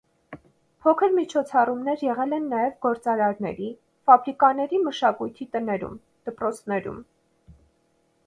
Փոքր միջոցառումներ եղել են նաև գործարանների, ֆաբրիկաների մշակույթի տներում, դպրոցներում։